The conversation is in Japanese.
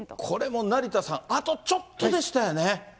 これも成田さん、あとちょっとでしたよね。